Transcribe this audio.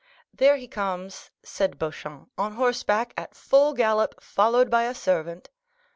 "There he comes," said Beauchamp, "on horseback, at full gallop, followed by a servant."